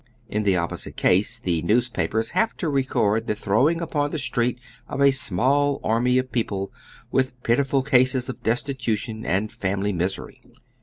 In the opposite ease, the newspapers have to record the throwing upon the street of a small army of people, with pitiful cases of destitution and family miseiy.